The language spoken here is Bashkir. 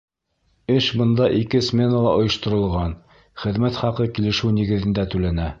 Эш бында ике сменала ойошторолған, хеҙмәт хаҡы килешеү нигеҙендә түләнә.